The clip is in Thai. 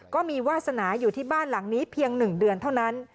ก็มีวาสนาอยู่ที่บ้านหลังนี้เพียง๑เดือนเท่านั้น